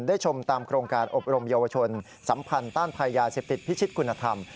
ชมตามโครงการอบรมเยาวชนสัมพันธ์ต้านภัยยาเสพติดพิชิตคุณธรรม